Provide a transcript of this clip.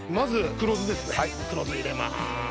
黒酢入れます。